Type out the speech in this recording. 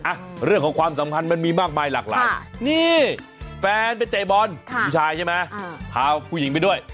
อ่ะเรื่องของความสัมพันธ์มันมีมากมายหลากหลายนี่แฟนไปเตะบอลผู้ชายใช่ไหมพาผู้หญิงไปด้วย